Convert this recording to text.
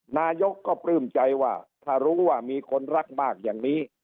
นายกก็ปลื้มใจว่าถ้ารู้ว่ามีคนรักมากอย่างนี้